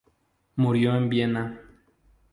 Murió en Viena.